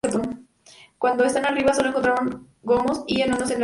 Cuando estos arribaron, sólo encontraron gnomos y enanos en la región.